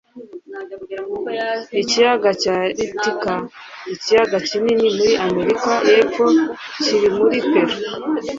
ikiyaga cya titicaca, ikiyaga kinini muri amerika yepfo, kiri muri peru